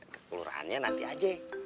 ke kelurahan nya nanti aja